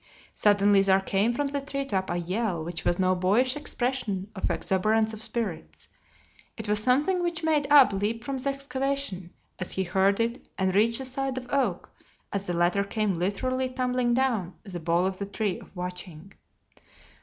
Suddenly there came from the treetop a yell which was no boyish expression of exuberance of spirits. It was something which made Ab leap from the excavation as he heard it and reach the side of Oak as the latter came literally tumbling down the bole of the tree of watching.